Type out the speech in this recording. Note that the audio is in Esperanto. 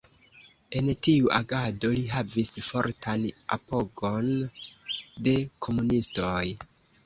En tiu agado li havis fortan apogon de komunistoj.